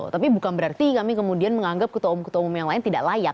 tapi bukan berarti kami kemudian menganggap ketua umum ketua umum yang lain tidak layak